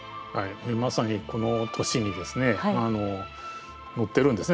まさにこの年に乗ってるんですね